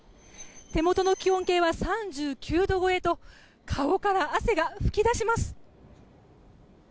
手元の気温計は３９度超えと顔から汗が吹き出します。